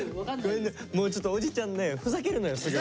もうちょっとおじちゃんねふざけるのよすぐ。